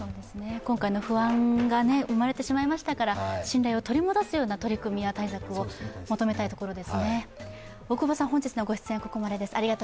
今回の不安が生まれてしまいましたから、信頼を取り戻すような取り組みや対策を求めたいところですね。